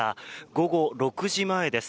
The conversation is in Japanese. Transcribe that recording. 午後６時前です。